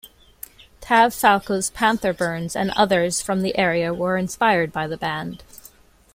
Tav Falco's Panther Burns and others from the area were inspired by the band.